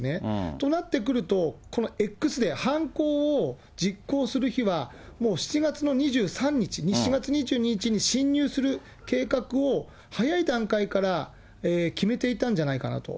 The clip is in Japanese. となってくると、このＸデー、犯行を実行する日は、もう７月の２３日、７月２２日に侵入する計画を早い段階から決めていたんじゃないかなと。